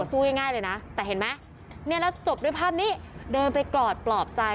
สู้ง่ายเลยนะแต่เห็นไหมเนี่ยแล้วจบด้วยภาพนี้เดินไปกอดปลอบใจ